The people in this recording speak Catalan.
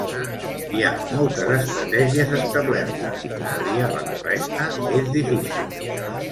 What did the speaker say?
Hi ha moltes estratègies establertes, triar la correcta és difícil.